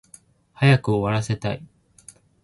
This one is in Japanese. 早く終わらせたい